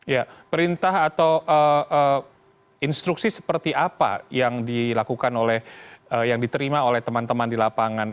ya perintah atau instruksi seperti apa yang diterima oleh teman teman di lapangan